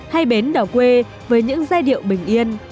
hay bến đỏ quê với những giai điệu bình yên